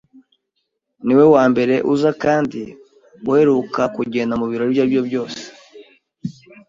Niwe wambere uza kandi uheruka kugenda mubirori ibyo aribyo byose.